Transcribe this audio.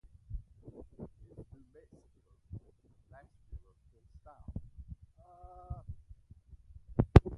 It is New Mexico Vernacular in style.